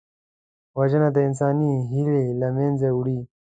وژنه د انساني هیلې له منځه وړي